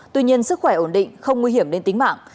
tuy nhiên sức khỏe ổn định không nguy hiểm đến tính mạng